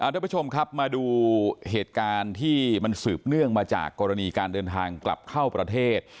ทุกผู้ชมครับมาดูเหตุการณ์ที่มันสืบเนื่องมาจากกรณีการเดินทางกลับเข้าประเทศ